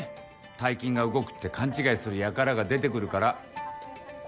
大金が動くって勘違いする輩が出てくるから。